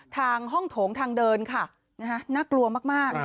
ทางห้องโถงทางเดินค่ะน่ากลัวมาก